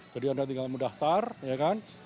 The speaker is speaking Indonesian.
jadi anda tinggal mendaftar ya kan